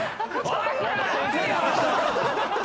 おい！